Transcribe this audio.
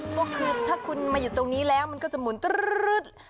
ก็คือถ้าคุณมาอยู่ตรงนี้แล้วมันก็จะหมุนตรึด